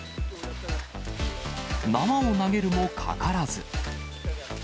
縄を投げるもかからず。